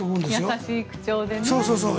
優しい口調でね。